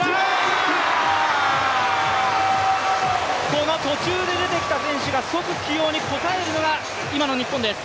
この途中で出てきた選手が即起用に応えるのが今の日本です。